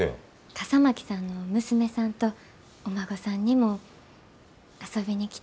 笠巻さんの娘さんとお孫さんにも遊びに来てもらえたらなぁて。